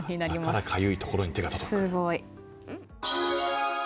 だからかゆいところに手が届く。